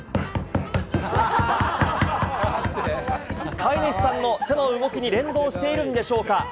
飼い主さんの手の動きに連動しているんでしょうか？